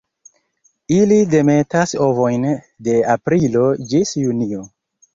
Ili demetas ovojn de aprilo ĝis junio.